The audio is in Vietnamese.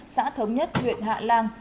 xã thống nhất huyện hạ lan